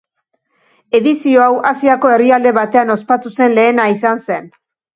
Edizio hau, Asiako herrialde batean ospatu zen lehena izan zen.